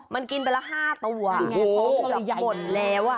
มันกินไปละ๕ตัวเหลือหมดแล้ว